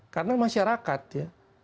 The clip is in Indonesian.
karena masyarakat ya